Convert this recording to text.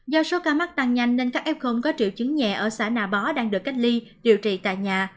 do số ca mắc tăng nhanh nên các f có triệu chứng nhẹ ở xã nà bó đang được cách ly điều trị tại nhà